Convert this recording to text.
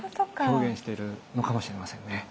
表現しているのかもしれませんね。